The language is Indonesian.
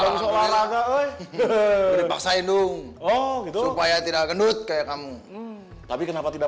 alaika oleh hehehe paksainung oh gitu supaya tidak gendut kayak kamu tapi kenapa tidak